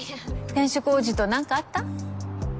転職王子と何かあった？